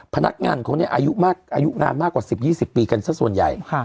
พนักงานเขาเนี่ยอายุมากอายุงานมากกว่า๑๐๒๐ปีกันสักส่วนใหญ่